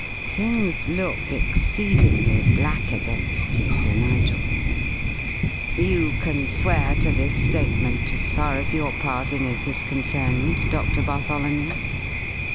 Things look exceedingly black against you, Sir Nigel. You can swear to this statement as far as your part in it is concerned, Doctor Bartholomew?"